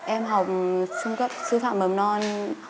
em học trung cấp sư phạm mầm non